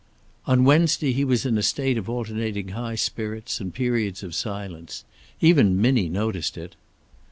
On Wednesday he was in a state of alternating high spirits and periods of silence. Even Minnie noticed it.